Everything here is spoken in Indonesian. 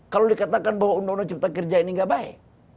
kalau dikatakan bahwa undang undang cipta kerja ini tidak baik